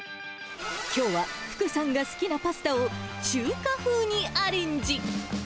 きょうは福さんが好きなパスタを、中華風にアレンジ。